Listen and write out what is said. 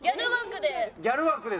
ギャル枠で。